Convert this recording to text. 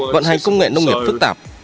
vận hành công nghệ nông nghiệp phức tạp